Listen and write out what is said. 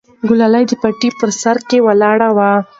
ګلالۍ د پټي په سر کې ولاړه وه.